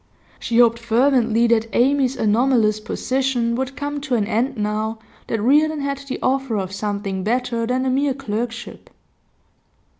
She hoped fervently that Amy's anomalous position would come to an end now that Reardon had the offer of something better than a mere clerkship.